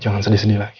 jangan sedih sedih lagi